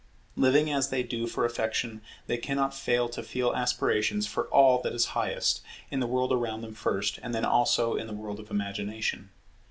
Living as they do for affection, they cannot fail to feel aspirations for all that is highest, in the world around them first, and then also in the world of imagination.